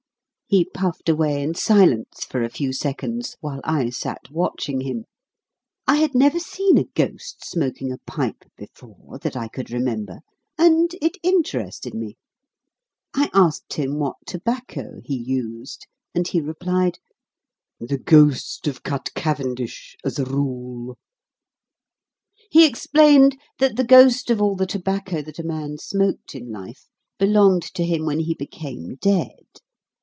He puffed away in silence for a few seconds, while I sat watching him. I had never seen a ghost smoking a pipe before, that I could remember, and it interested me. I asked him what tobacco he used, and he replied, "The ghost of cut cavendish, as a rule." He explained that the ghost of all the tobacco that a man smoked in life belonged to him when he became dead.